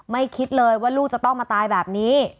คิดเลยว่าลูกจะต้องมาตายแบบนี้